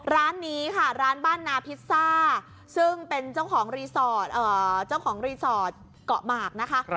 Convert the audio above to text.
ร้านนี้ค่ะร้านบ้านนาพิซซ่าซึ่งเป็นเจ้าของรีสอร์ตเกาะมาก